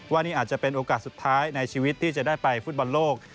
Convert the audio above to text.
ว่านี่อาจจะเป็นโอกาสสุดท้ายในชีวิตที่จะได้ไปฟุตบอลโลก